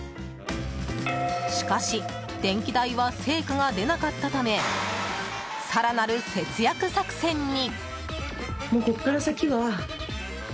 しかし、電気代は成果が出なかったため更なる節約作戦に。